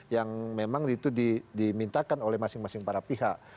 yang memang itu dimintakan oleh masing masing para pihak